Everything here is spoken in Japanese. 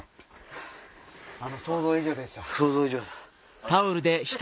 想像以上でした。